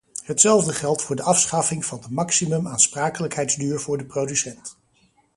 Hetzelfde geldt voor de afschaffing van de maximum aansprakelijkheidsduur voor de producent.